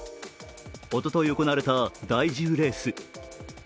おととい行われた第１０レース。